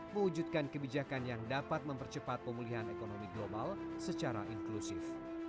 mewujudkan kebijakan yang dapat mempercepat pemulihan ekonomi global secara inklusif